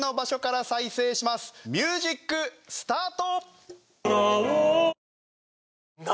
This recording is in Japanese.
ミュージックスタート！